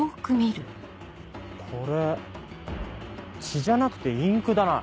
血じゃなくてインクだな。